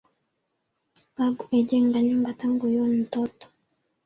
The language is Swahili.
Babu ejenga nyumba tangu yu ntoto